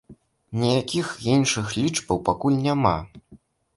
Ніякіх іншых лічбаў пакуль няма.